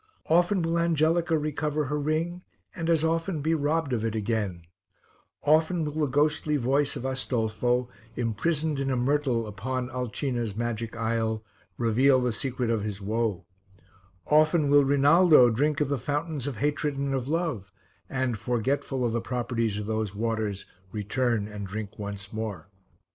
Often will Angelica recover her ring, and as often be robbed of it again; often will the ghostly voice of Astolfo, imprisoned in a myrtle upon Alcina's magic isle, reveal the secret of his woe; often will Rinaldo drink of the Fountains of Hatred and of Love, and, forgetful of the properties of those waters, return and drink once more.